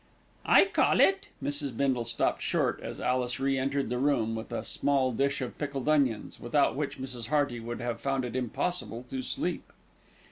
"I call it " Mrs. Bindle stopped short as Alice re entered the room with a small dish of pickled onions, without which Mrs. Hearty would have found it impossible to sleep.